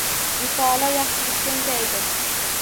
Mutolaa yaxshilikka undaydi.